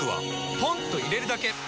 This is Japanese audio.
ポンと入れるだけ！